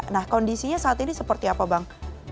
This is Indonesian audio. nah kondisinya saat ini seperti apa bang